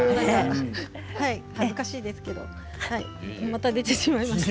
恥ずかしいですけれどもまた出てしまいました。